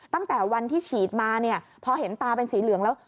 ตั้งแต่วันที่ฉีดมาเนี่ยพอเห็นตาเป็นสีเหลืองแล้ว